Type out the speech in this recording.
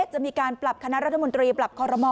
จะมีการปรับคณะรัฐมนตรีปรับคอรมอ